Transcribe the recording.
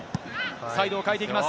サイドを変えていきます。